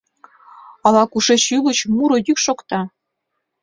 Ала-кушеч ӱлыч муро йӱк шокта.